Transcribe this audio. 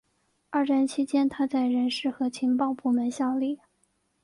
二战期间他在人事和情报部门效力。